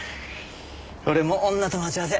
俺も女と待ち合わせ。